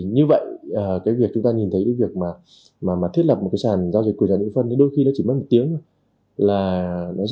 như vậy chúng ta nhìn thấy việc thiết lập một sàn giao dịch của nhà mỹ vân đôi khi chỉ mất một tiếng thôi